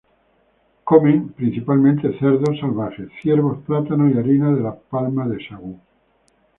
Comen principalmente cerdos salvajes, ciervos, plátanos y harina de la palma de sagú.